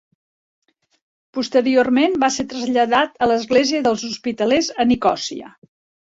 Posteriorment va ser traslladat a l'Església dels Hospitalers a Nicòsia.